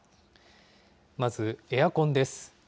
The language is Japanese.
まずエアコンです。